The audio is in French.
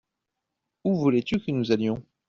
Où voulais-tu que nous allions ?